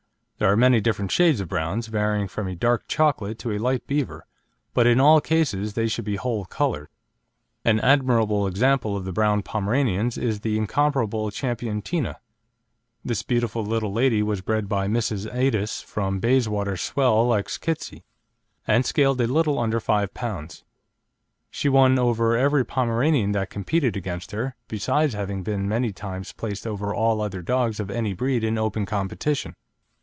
There are many different shades of browns, varying from a dark chocolate to a light beaver, but in all cases they should be whole coloured. An admirable example of the brown Pomeranians is the incomparable Ch. Tina. This beautiful little lady was bred by Mrs. Addis from Bayswater Swell ex Kitsey, and scaled a little under 5 lb. She won over every Pomeranian that competed against her, besides having been many times placed over all other dogs of any breed in open competition.